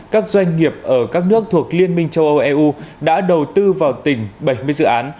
các doanh nghiệp ở các nước thuộc liên minh châu âu eu đã đầu tư vào tỉnh bảy mươi dự án